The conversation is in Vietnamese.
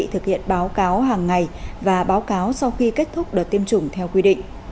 bộ y tế thực hiện báo cáo hàng ngày và báo cáo sau khi kết thúc đợt tiêm chủng theo quy định